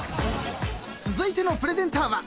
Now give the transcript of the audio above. ［続いてのプレゼンターは］